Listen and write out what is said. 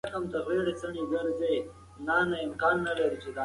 تاسو باید د برېښنا د مصرف په برخه کې سپما وکړئ.